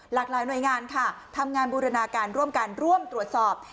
หลากหลายหน่วยงานค่ะทำงานบูรณาการร่วมกันร่วมตรวจสอบ